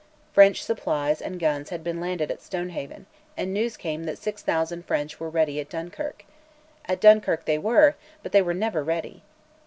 French supplies and guns had been landed at Stonehaven, and news came that 6000 French were ready at Dunkirk: at Dunkirk they were, but they never were ready.